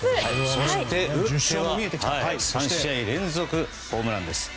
そして３試合連続ホームランです。